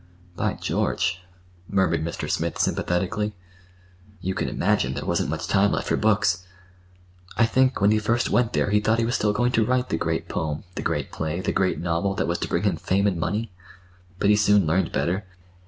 "By George!" murmured Mr. Smith sympathetically. "You can imagine there wasn't much time left for books. I think, when he first went there, he thought he was still going to write the great poem, the great play, the great novel, that was to bring him fame and money. But he soon learned better.